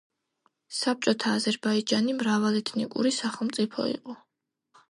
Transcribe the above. საბჭოთა აზერბაიჯანი მრავალეთნიკური სახელმწიფო იყო